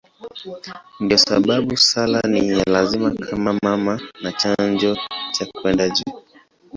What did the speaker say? Ndiyo sababu sala ni ya lazima kama mama na chanzo cha kwenda juu.